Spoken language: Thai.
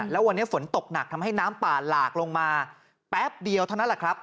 แล้ววันนี้ฝนตกหนักทำให้น้ำป่าหลากลงมาแป๊บเดียวเท่านั้นแหละครับ